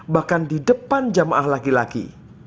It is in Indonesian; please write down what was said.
bahkan di depan jamaah laki laki